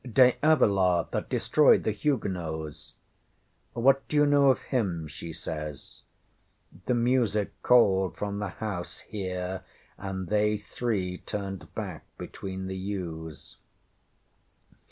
ŌĆśŌĆ£De Avila that destroyed the Huguenots? What dŌĆÖyou know of him? ŌĆØ she says. The music called from the house here, and they three turned back between the yews.